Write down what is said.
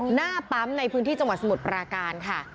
หน้าปั๊มในพื้นที่จังหวัดสมุทรปราการค่ะ